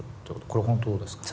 これ本当ですか？